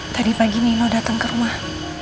tadi pagi nino datang ke rumah